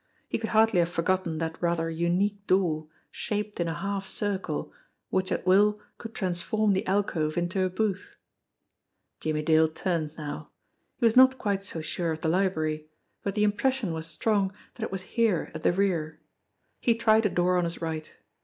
He could hardly have forgotten that rather unique door, shaped in a half circle, which at will could transform the alcove into a booth ! Jimmie Dale turned now. He was not quite so sure of the library, but the impression was strong that it was here at the rear. He tried a door on his right.